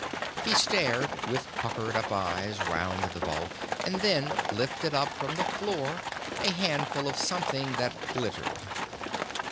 He stared with puckered up eyes round the vault, and then lifted up from the floor a handful of something that glittered.